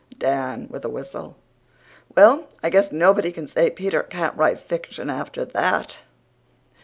(DAN, WITH A WHISTLE: "Well, I guess nobody can say Peter can't write fiction after THAT."